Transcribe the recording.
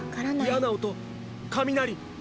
嫌な音雷！